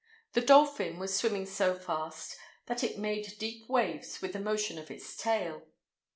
The dolphin was swimming so fast that it made deep waves with the motion of its tail.